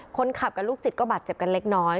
คนขับกับลูกศิษย์ก็บาดเจ็บกันเล็กน้อย